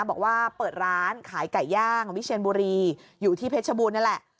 บอกว่าเปิดร้านขายไก่ย่างวิเชียนบุรีอยู่ที่เพชรบูรณนั่นแหละ